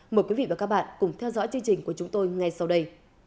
mời quý vị và các bạn cùng theo dõi chương trình của chúng tôi ngay sau đây